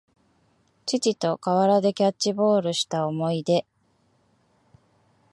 父と河原でキャッチボールした思い出